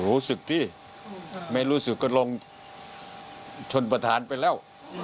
รู้สึกที่ไม่รู้สึกก็ลงชนประธานไปแล้ว